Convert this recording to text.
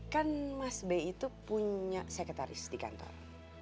kan mas b itu punya sekretaris di kantor